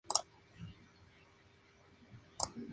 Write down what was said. Hombre de mucho temperamento y mediocampista excelente.